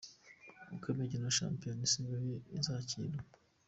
Uko imikino ya Shampiona isigaye izakinwa.